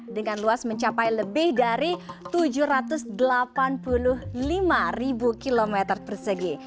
dengan luas mencapai lebih dari tujuh ratus delapan puluh lima km persegi